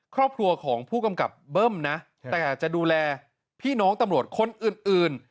ครอบครัวของผู้กำกับเบิ้มนะแต่จะดูแลพี่น้องตำรวจคนอื่น